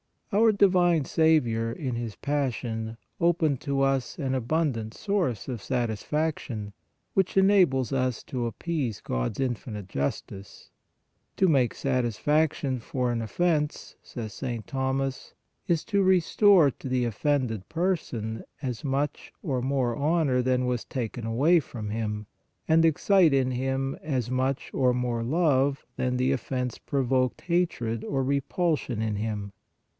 Our Divine Saviour in His Passion opened to us an abundant source of satisfaction, which enables us to appease God s infinite justice. " To make satisfaction for an offense," says St. Thomas, " is to restore to the offended person as much or more honor than was taken away from him, and excite in him as much or more love than the offense pro voked hatred or repulsion in him."